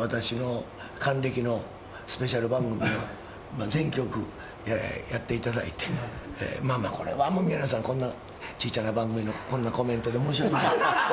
私の還暦のスペシャル番組を全局やっていただいて、まあまあ、これは宮根さん、こんなちいちゃな番組のこんなコメントで申し訳ない。